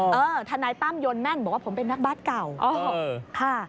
เออธนายตั้มโยนแม่นบอกว่าผมเป็นนักบ้านเก่า